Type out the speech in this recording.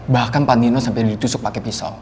bahkan pandino sampai ditusuk pakai pisau